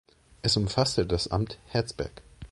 Es umfasste das Amt Herzberg.